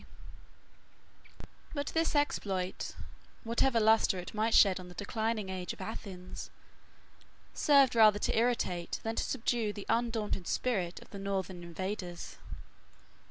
] But this exploit, whatever lustre it might shed on the declining age of Athens, served rather to irritate than to subdue the undaunted spirit of the northern invaders.